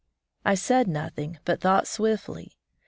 I said nothing, but thought swiftly.